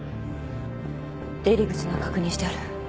出入り口なら確認してある。